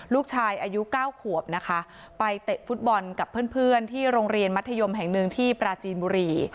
ลูกชายอายุ๙ขวบนะคะไปเตะฟุตบอลกับเพื่อนที่โรงเรียนมัธยมแห่งหนึ่งที่ปราจีนบุรี